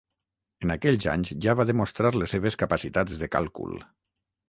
En aquells anys ja va demostrar les seves capacitats de càlcul.